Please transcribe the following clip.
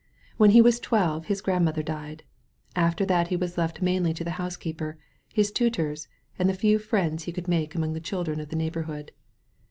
When he was twelve his grandmother died. After that he was left mainly to the housekeeper, his tutors, and the few friends he could mak^ among the children of the neighbor hood.